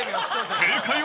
正解は？